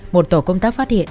một tổ công tác phát hiện